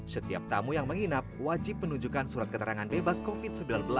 setiap tamu yang menginap wajib menunjukkan surat keterangan bebas covid sembilan belas